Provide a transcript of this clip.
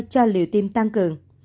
cho liệu tiêm tăng cường